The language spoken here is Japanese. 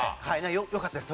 よかったです